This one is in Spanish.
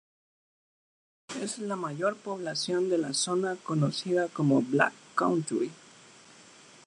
Es la mayor población de la zona conocida como "Black Country".